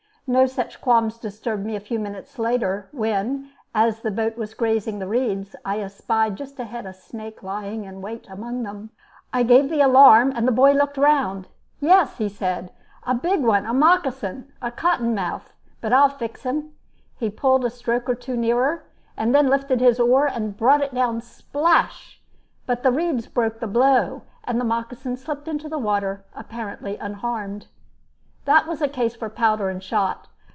No such qualms disturbed me a few minutes later, when, as the boat was grazing the reeds, I espied just ahead a snake lying in wait among them. I gave the alarm, and the boy looked round. "Yes," he said, "a big one, a moccasin, a cotton mouth; but I'll fix him." He pulled a stroke or two nearer, then lifted his oar and brought it down splash; but the reeds broke the blow, and the moccasin slipped into the water, apparently unharmed. That was a case for powder and shot.